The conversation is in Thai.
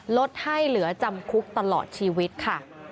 ลดให้เหลือจำคุกตลอดชีวิตค่ะ